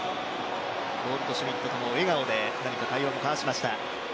ゴールドシュミットとも笑顔で何か会話を交わしました。